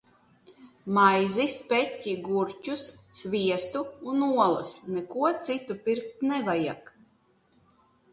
Maizi, spe?i, gur?us, sviestu un olas. Neko citu pirkt nevajag.